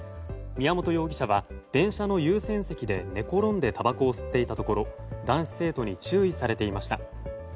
宮本容疑者は電車の優先席で寝転んでたばこを吸っていたところ男子生徒に注意されていました。